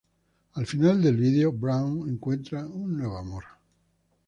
Al final del video, Brown encuentra un nuevo amor.